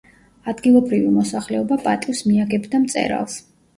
ადგილობრივი მოსახლეობა პატივს მიაგებდა მწერალს.